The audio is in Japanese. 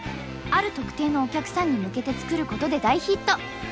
ある特定のお客さんに向けて作ることで大ヒット！